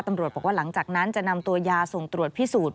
ตำรวจบอกว่าหลังจากนั้นจะนำตัวยาส่งตรวจพิสูจน์